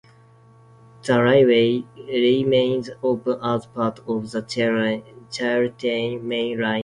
The railway remains open as part of the Chiltern Main Line.